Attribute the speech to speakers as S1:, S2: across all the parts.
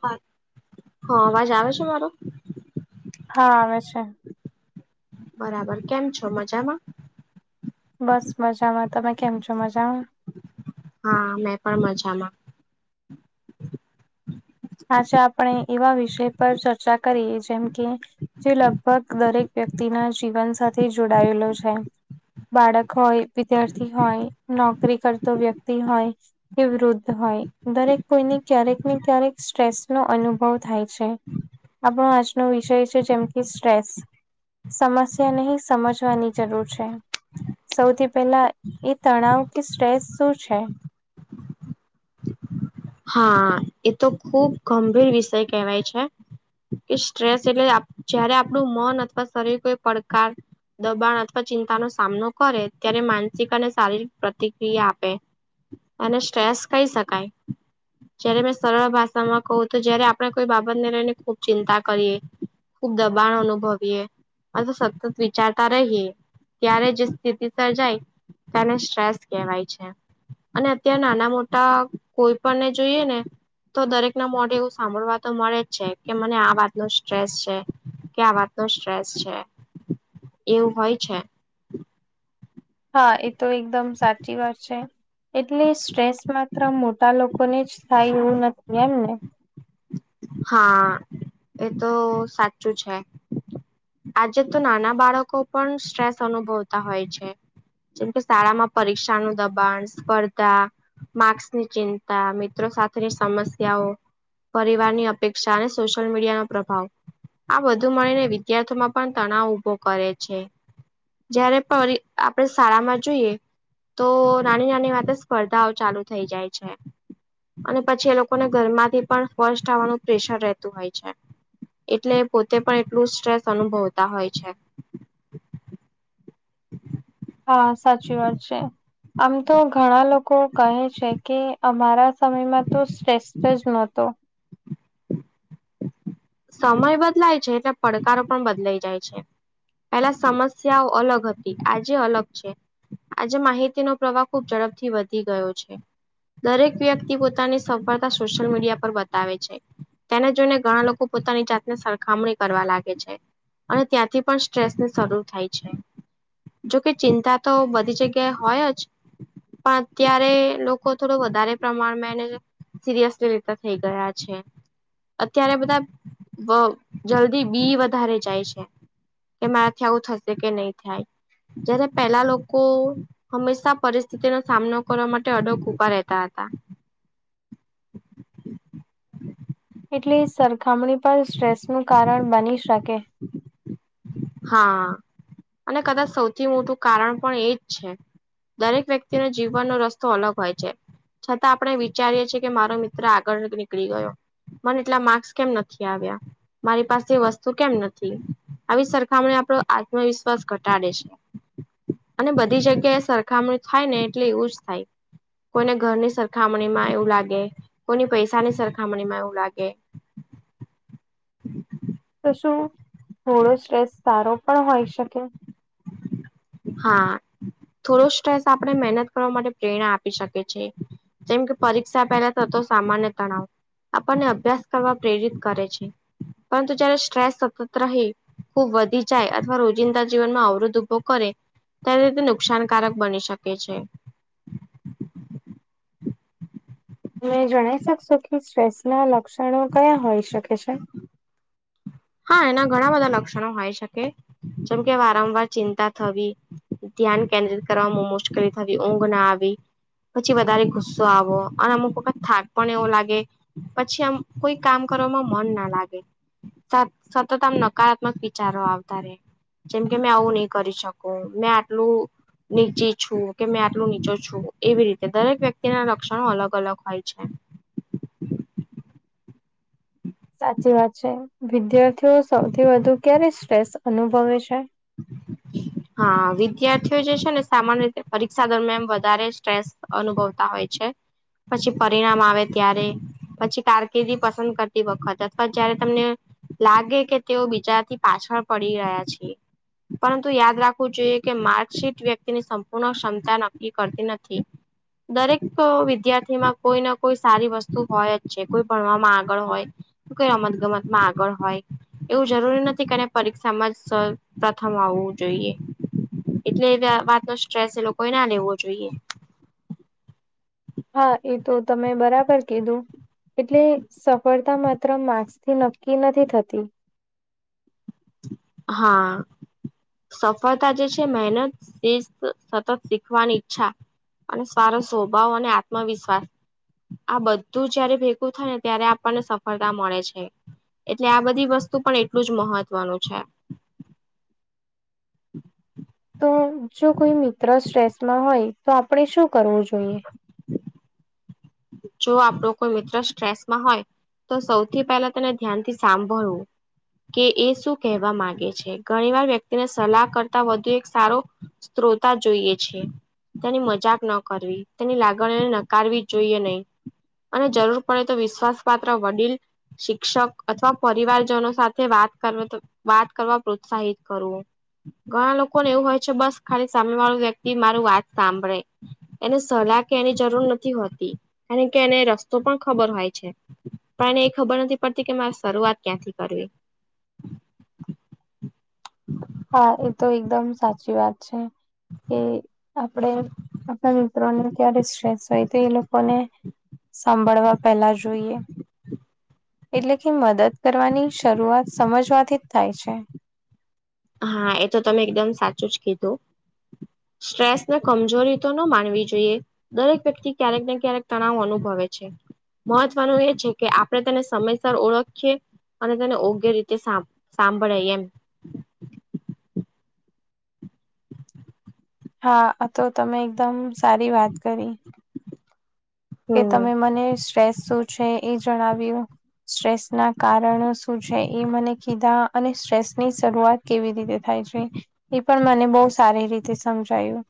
S1: હાલો હા અવાજ આવે છે મારો?
S2: હા આવે છે.
S1: બરાબર કેમ છો મજામાં?
S2: બસ મજામાં તમે કેમ છો મજામાં?
S1: હા મેં પણ મજામાં?
S2: આજે આપણે એવા વિષય પર ચર્ચા કરીએ જેમ કે જે લગભગ દરેક વ્યક્તિ ના જીવન સાથે જોડાયેલો છે. બાળક હોય, વિદ્યાર્થી હોય, નોકરી કરતો વ્યક્તિ હોય એ વૃુદ્ધ હોય દરેક કોઈને ક્યારેક ને ક્યારેક સ્ટ્રેસ નો અનુભવ થાય છે આપણો આજનો વિષય છે જેમ કે સ્ટ્રેસ સમસ્યા નહી સમજવાની જરૂર છે. સૌથી પેલા એ તણાવ કે સ્ટ્રેસ શું છે?
S1: હા એ તો ખુબ ગંભીર વિષય કહેવાય છે. કે સ્ટ્રેસ એટલે જયારે આપણું મન અથવા શરીર કોઈ પડકાર દબાણ અથવા ચિંતાનો સામનો કરે ત્યારે માનસિક અને શારીરિક પ્રતિક્રિયા આપે અને સ્ટ્રેસ કહી શકાય. જયારે મેં સરળ ભાષામાં કહું તો જયારે આપણે કોઈ બાબતને લઈને ખૂબ ચિંતા કરીએ ખુબ દબાણ અનુભવીએ આ તો સતત વિચારતા રહીયએ ત્યારે જે સ્થિતિ સર્જાય તેને સ્ટ્રેસ કહેવાય છે. અને અત્યારે નાના મોટા આપણને જોઈએ ને તો દરેક ના મોઢે એવું સાંભળવા તો મળે જ છે કે મને આ વાત ન સ્ટ્રેસ છે. કે આ વાત ન સ્ટ્રેસ છે એવું હોય છે.
S2: હા એ તો એકદમ સાચી વાત છે. એટલી સ્ટ્રેસ માત્ર મોટા લોકો ને જ થાય એવું નથી એમને.
S1: હા એ તો સાચું છે. આજે તો નાના બાળકો પણ સ્ટ્રેસ અનુભવતા હોય છે. જેમ કે શાળામાં પરીક્ષાનું દબાણ, સ્પર્ધા માક્સની ચિંતા મિત્રો સાથેની સમસ્યાઓ ની અપેક્ષા અને સોશિયલ મીડિયા નો પ્રભાવ આ બધું મળીને વિદ્યાર્થીમાં પણ તણાવ ઉભો કરે છે. જયારે પરી આપણેે શાળા માં જોઈએ તો નાની નાની વાત સ્પર્ધાઓ ચાલુ થઈ જાય છે. અને પછી એ લોકોને ઘરમાંથી પણ ફશ થવાનું પ્રેશર રહેતું હોય છે. એટલે પોતે પણ એટલું સ્ટ્રેસ અનુભવતા હોય છે.
S2: હા સાચી વાત છે આમ તો ઘણા લોકો કહે છે. કે અમારા સમયમાં તો સ્ટ્રેસ જ ન હતો.
S1: સમય બદલાય છે એટલે પડકારો પણ બદલાઈ જાય છે. પેલા સમસ્યાઓ અલગ હતી આજે અલગ છે. આજે માહિતીનો પ્રવાહ ખુબ ઝડપથી વધી ગયો છે. દરેક વ્યક્તિ પોતાની સફળતા સોશિયલ મીડિયા પર બતાવે છે. તેને જોઈને ઘણા લોકો પોતાની જાતને સરખામણી કરવા લાગે છે. અને ત્યાંથી પણ સ્ટ્રેસને શરૂ થાય છે. જોકે ચિંતા તો બધી જગ્યાએ હોય જ પણ અત્યારે લોકો થોડું વધારે પ્રમાણમાં એને સિરિયસલી રીતે થઈ ગયા છે અત્યારે બધા જલ્દી બી વધારે જાય છે. કે મારાથી આવું થશે કે નહી થાય જયારે પેલા લોકો હંમેશા પરિસ્થિતિનો સામનો કરવા માટે અડોક ઉભા રહેતા હતા.
S2: એટલે સરખામણી પર સ્ટ્રેસ નું કારણ બની શકે.
S1: હા અને કદાચ સૌથી મોટું કારણ પણ એજ છે. દરેક વ્યક્તિનો જીવવાનનો રસ્તો અલગ હોય છે. છતાં આપણે વિચારીએ છીએ કે મારો મિત્ર આગળ જ નીકળી ગયો મને એટલા માર્સ કેમ નથી આવ્યા મારી પાસે વસ્તુ કેમ નથી આવી સર તોએ આપડો આત્મવિશ્વાસ ઘટાડે છે. અને બધી જગ્યાએ સરખામણી થાય ને એટલે એવું જ થાય. કોઈને ઘરની સરખામણી માં એવું લાગે, કોઈની પૈસાની સરખામણી માં એવું લાગે. હ.
S2: તો શું થોડો સ્ટ્રેસ સારો પણ હોય શકે?
S1: હા થોડો સ્ટ્રેસ આપણે મહેનત કરવા માટે પ્રેરણા આપી શકે છે. જેમ કે પરીક્ષા પહેલા તોતો સામાન્ય તણાવ આપણને અભ્યાસ કરવા પ્રેરિત કરે છે પરંતુ જય્યારે શ્ટ્રેસ સતત રહે. ખુબ વધી જાય અથવા રોજિંદા જીવનમાં અવરોધ ઉભો કરે ત્યારે રીતે નુકસાનકારક બની શકે છે.
S2: તમે જણાઈ શકશો કે સ્ટ્રેસ ના લક્ષણો કયા હોઈ શકે છે?
S1: હા એના ઘણા બધા લક્ષણો હોય શકે જેમ કે વારંવાર ચિંતા થવી. ધ્યાન કેન્દ્રિત કરવામાં મુશ્કેલી થવી, ઊંઘ ના આવી પછી વધારે ગુસ્સો આવો અને અમુક વખત થાક પણ એવો લાગે પછી આમ કોઈ કામ કરવાવામાં મન ના લાગે. સતત આમ નકારાત્મક વિચારો આવતા રે. જેમકે મેં આવું નહી કરી શકું મેં આટલું નીચી છું કે મેં આટલું નીચું છું એવી રીતે દરેક વ્યક્તિના લક્ષણો અલગ અલગ હોય છે.
S2: સાચી વાત છે. વિદ્યાર્થીઓ સૌથી વધુ ક્યારે સ્ટ્રેસ અનુભવે છે?
S1: હા વિદ્યાર્થીઓ જે છે ને સામાન્ય રીતે પરીક્ષા દરમિયાન વધારે સ્ટ્રેસ અનુભવતા હોય છે પછી પરિણામ આવે ત્યારે પછી કારકિર્દી પસંદ કરતી વખત અથવા જયારે તમને લાગે કે તેઓ બીજાથી પાછળ પડી રહ્યા છે. પરંતુ યાદ રાખવું જોઈએ કે માર્કશીટ વ્યક્તિની સંપૂર્ણ ક્ષમતા નક્કી કરતી નથી. દરેક વિદ્યાર્થીમાં કોઈને કોઈ સારી વસ્તુ હોય જ છે, કોઈ ભણવામાં આગળ હોય. કોઈ રમત ગમતમાં આગળ હોય, એવું જરૂરી નથી કે, પરીક્ષામાં પ્રથમ આવવું જોઈએ, એટલે એ વાત નો સ્ટ્રેસ એ લોકોએ ના લેવો જોઈએ.
S2: હા, એ તો તમે બરાબર કીધું. એટલે સફળતા માત્ર માકર્સથી નક્કી નથી થતી.
S1: હા. સફળતા જે છે, મહેનત, સતત શીખવાની ઈચ્છા. અને સારો સ્વભાવ અને આત્મવિશ્વાસ. આ બધું જયારે ભેગું થાય ને, ત્યારે આપણને સફળતા મળે છે. એટલે આ બધી વસ્તુ પણ એટલું જ મહત્વનું છે.
S2: તો જો કોઈ મિત્ર સ્ટ્રેસમાં હોય, તો આપણે શું કરવું જોઈએ?
S1: જો આપણો કોઈ મિત્ર સ્ટ્રેસમાં હોય. તો સૌથી પહેલા તેને ધ્યાન થી સાંભળવું. કે એ શું કહેવા માંગે છે, ઘણી વાર વ્યક્તિને સલાહ કરતા વધુ એક સારો સ્ત્રોતા જોઈએ છે. તેની મજાક ન કરવી, તેની લાગણી એને નકારવી જ જોઈએ નહી. અને જરૂર પડે તો, વિશ્વાસ પાત્ર વડીલ શિક્ષક અથવા પરિવારજનો સાથે વાત કર તો. વાત કરવા, પ્રોત્સાહિત કરું. ઘણા લોકોને એવું હોય છે, બસ, ખાલી સામે વાળું વ્યક્તિ મારું વાત સાંભળે. એને સલાહ કે, એની જરૂર નથી હોતી, કારણ કે એને રસ્તો પણ ખબર હોય છે. પણ એને એ ખબર નથી પડતી કે, મારે શરૂઆત ક્યાંથી કરવી. હ.
S2: હા, એ તો એકદમ સાચી વાત છે. કે આપણેે આપણા મિત્રોને ક્યારે સ્ટેસ હોય, તો એ લોકોને સાંભળવા પેલા જોઈએ. એટલે કે મદદ કરવાની, શરૂઆત સમજવાથી જ થાય છે.
S1: હા, એ તો તમે એકદમ સાચું જ કીધું. સ્ટ્રેસને કમજોરી તો ન માનવી જોઈએ. દરેક વ્યક્તિ ક્યારેક ને, ક્યારેક તણાવ અનુભવે છે. મહત્વનું એ છે કે, આપણે તેને સમયસર ઓળખીએ. અને તેને યોગ્ય રીતે સાંભળાય એમ.
S2: હા, તો તમે એકદમ, સારી વાત કરી. કે
S1: હમ
S2: તમે મને સ્ટ્રેસ શું છે? એ જણાવ્યું. સ્ટ્રેસ ના કારણો શું છે? એ મને કીધા અને સ્ટ્રેસ ની શરૂઆત કેવી રીતે થાય છે, એ પણ મને બહુ સારી રીતે સમજાયું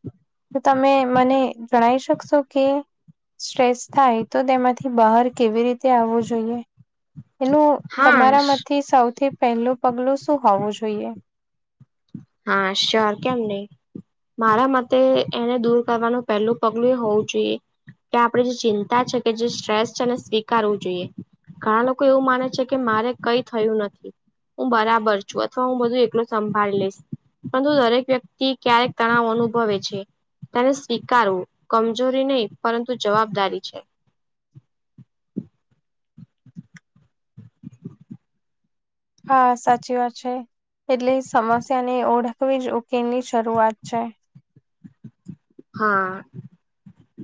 S2: તો, તમે મને જણાઈ શકશો કે સ્ટ્રેસ થાય, તો તેમાંથી બહાર કેવી રીતે આવવું જોઈએ. એનું
S1: હા
S2: તમારામાંથી સૌથી પહેલું પગલું શું હોવું જોઈએ?
S1: હા, શ્યોર કેમ નહીં. મારા મતે એને દૂર કરવાનું પહેલું પગલું એ હોવું જોઈએ. કે આપણે જે ચિંતા છે કે, જે સ્ટ્રેસ છે, એને સ્વીકારવું જોઈએ. ઘણા લોકો એવું માને છે કે, મારે કઈ થયું નથી. હું બરાબર છું, અથવા હું બધું એકલો સંભાળી લઈશ. પરંતુ દરેક વ્યક્તિ ક્યારેક તણાવ અનુભવે છે. તેને સ્વીકારવું કમજોરી નહી, પરંતુ જવાબદારી છે.
S2: હા, સાચી વાત છે. એટલે સમસ્યા ને ઓળખવી જ ઉકેલ ની શરૂઆત છે.
S1: હા.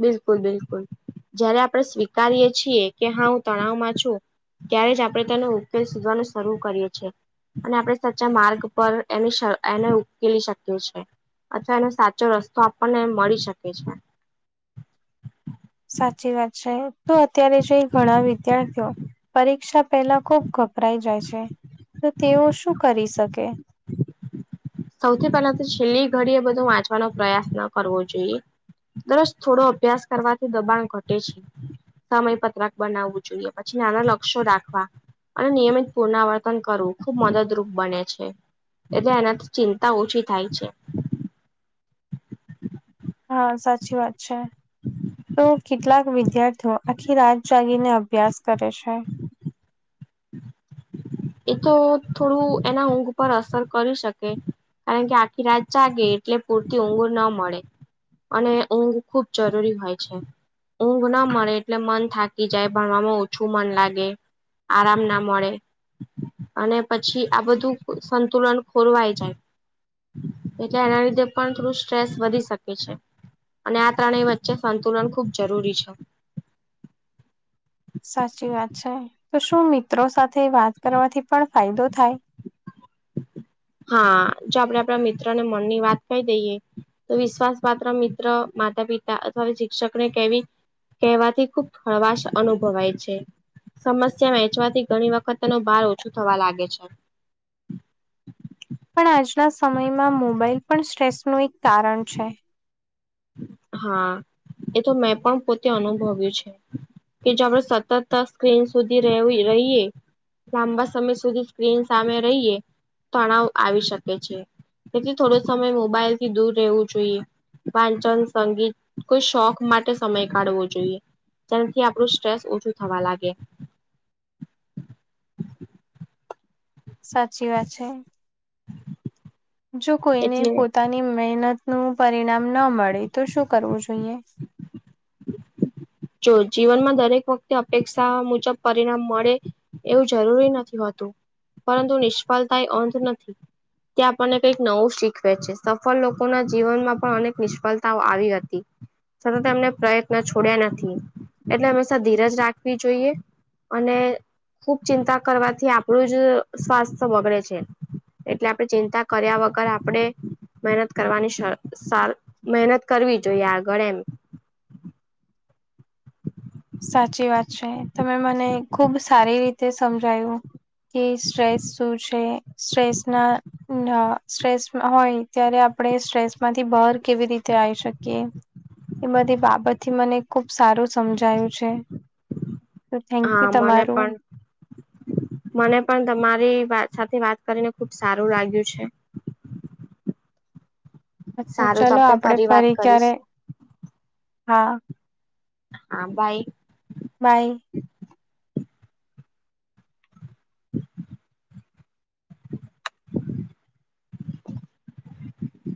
S1: બિલકુલ, બિલકુલ, જયારે આપણે સ્વીકારીય છીએ કે, હા, હું તણાવમાં છું. ત્યારે જ આપણે તેનો ઉકેલ શોધવાનું શરૂ કરીએ છીએ. અને આપણે સાચ્ચા માર્ગ પર એની એને ઉકેલી શકીએ છે. અથવા એનો સાચો રસ્તો આપણને મળી શકે છે.
S2: સાચી વાત છે તો અત્યારે જે ઘણા વિદ્યાર્થીઓ પરીક્ષા પહેલા ખુબ ગભરાઈ જાય છે તો તેઓ શું કરી શકે.
S1: સૌથી પહેલા તો છેલ્લી ઘડી એ બધું વાંચવાનો પ્રયાસ ન કરવો જોઈએ. દરસ થોડો અભ્યાસ કરવાથી દબાણ ઘટે છે. સમય પત્રક બનાવવું જોઈએ પછી નાના લક્ષ્યો રાખવા. અને નિયમિત પુનરાવર્તન કરવું ખૂબ મદદરૂપ બને છે એ એના ચિંતા ઓછી થાય છે. [inaudible]
S2: હા સાચી વાત છે તો કેટલાક વિદ્યાર્થીઓ આખી રાત જાગીને અભ્યાસ કરે છે.
S1: [inaudible] એ તો થોડું એના ઊંઘ પર અસર કરી શકે. કારણ કે આખી રાત જાગે એટલે પૂરતી ઉંઘ ના મળે. અને ઊંઘ ખૂબ જરૂરી હોય છે. ઊંઘ ના મળે એટલે મન થાકી જાય ભણવામાં ઓછું મન લાગે. આરામ ના મળે અને પછી આ બધું સંતુલન ખોરવાય જાય. એટલે એના લીધે પણ થોડું સ્ટ્રેસ વધી શકે છે. અને આ ત્રણેય વચ્ચે સંતુલન ખુબ જરૂરી છે.
S2: સાચી વાત છે તો શું મિત્રો સાથે વાત કરવાથી પણ ફાયદો થાય?
S1: હા જો આપડે આપણા મિત્રો ને મન ની વાત કહી દઈએ તો વિશ્વાસ પાત્ર મિત્ર માતા પિતા અથવા શિક્ષકને કેવી કહેવાથી ખુબ ખળવાશ અનુભવાય છે. સમસ્યા વહેંચવાથી ઘણી વખત એનો ભાર ઓછો થવા લાગે છે.
S2: પણ આજના સમયમાં મોબાઈલ પણ સ્ટ્રેસ ન એક કારણ છે.
S1: હા એ તો મેં પણ પોતે અનુભવ્યું છે. કે જે આપણે સતત સ્ક્રીન સુધી રહીયએ લાંબા સમય સુધી સ્ક્રીન સામે રહીએ તણાવ આવી શકે છે. એટલે થોડો સમય મોબાઈલથી દૂર રહેવું જોઈએ વાંચન સંગીત કોઈ શોખ માટે સમય કાઢવો જોઈએ. તેનાથી આપણું સ્ટ્રેસ ઓછું થવા લાગે.
S2: સાચી વાત છે. જો કોઈને
S1: એટલે
S2: પોતાની મહેનત નું પરિણામ ન મળે તો શું કરવું જોઈએ?
S1: જો જીવનમાં દરેક વખતે અપેક્ષા મુજબ પરિણામ મળે એવું જરૂરી નથી હોતું, પરંતુ નિષ્ફળતા એ અંધ નથી ત્યા આપણને કઈક નવું શીખવે છે. સફળ લોકોના જીવનમાં પણ અનેક નિષ્ફળતાઓ આવી હતી. સતત એમને પ્રયત્ન છોડ્યા નથી, એટલે હંમેશા ધીરજ રાખવી જોઈએ. અને ખુબ ચિંતા કરવાથી આપણું જ સ્વાસ્થ્ય બગડે છે. એટલે આપણે ચિંતા કર્યા વગર આપણે મહેનત કરવાની શ શુ મહેનત કરવી જોઈએ આગળ એમ.
S2: સાચી વાત છે તમે મને ખુબ સારી રીતે સમજાયું. કે સ્ટ્રેસ શું છે? સ્ટ્રેસ ના સ્ટ્રેસ હોય ત્યારે આપણે સ્ટ્રેસમાંથી બહાર કેવી રીતે આવી શકીએ? એ બધી બાબતથી મને ખૂબ સારું સમજાયું છે. તો થેન્ક
S1: હા
S2: યુ
S1: મને
S2: તમારું.
S1: પણ [inaudible] મને પણ તમારી સાથે વાત કરીને ખુબ સારું લાગ્યું છે. [inaudible]
S2: હા તો
S1: સારું
S2: ચલો
S1: આપણે
S2: આપડે
S1: વાત
S2: ફરી ક્યારે
S1: કરીશું
S2: હા
S1: હા બાઈ -
S2: બાય.
S1: [inaudible] [inaudible]